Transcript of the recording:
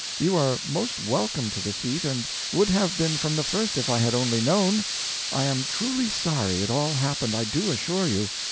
You are most welcome to the seat, and would have been from the first if I had only known. I am truly sorry it all happened, I do assure you."